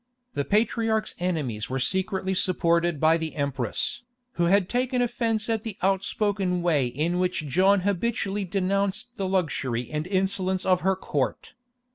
The patriarch's enemies were secretly supported by the empress, who had taken offence at the outspoken way in which John habitually denounced the luxury and insolence of her court.